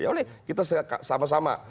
ya oleh kita sama sama